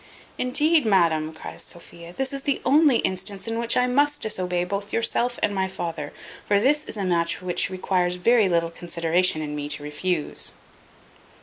"Indeed, madam," cries Sophia, "this is the only instance in which I must disobey both yourself and my father. For this is a match which requires very little consideration in me to refuse."